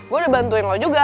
gue udah bantuin lo juga